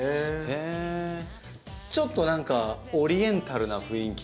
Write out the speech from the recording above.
ちょっと何かオリエンタルな雰囲気も。